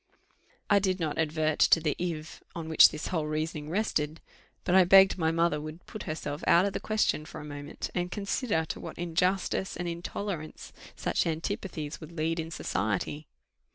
I did not advert to the if, on which this whole reasoning rested, but I begged my mother would put herself out of the question for one moment, and consider to what injustice and intolerance such antipathies would lead in society.